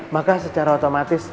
maka secara otomatis